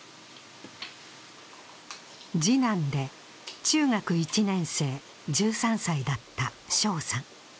次男で中学１年生、１３歳だった翔さん。